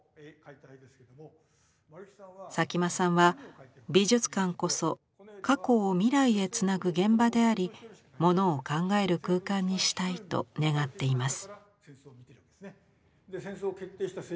佐喜眞さんは美術館こそ過去を未来へつなぐ現場でありものを考える空間にしたいと願っています。